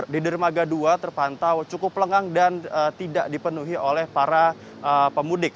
di dermaga dua terpantau cukup lengang dan tidak dipenuhi oleh para pemudik